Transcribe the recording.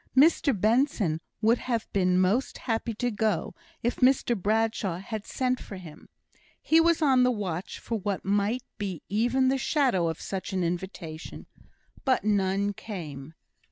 Mr Benson would have been most happy to go, if Mr Bradshaw had sent for him; he was on the watch for what might be even the shadow of such an invitation but none came.